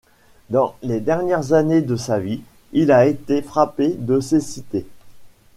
Dans les dernières années de sa vie, il a été frappé de cécité.